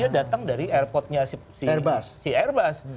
dia datang dari airportnya si airbus